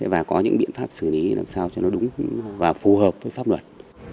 và có những biện pháp xử lý làm sao cho nó đúng và phù hợp với pháp luật